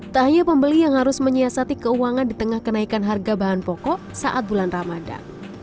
tak hanya pembeli yang harus menyiasati keuangan di tengah kenaikan harga bahan pokok saat bulan ramadan